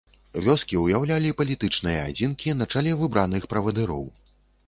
Вёскі ўяўлялі палітычныя адзінкі на чале выбраных правадыроў.